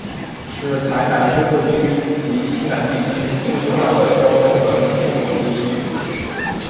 是台南都会区及溪南地区最重要的交通转运枢纽之一。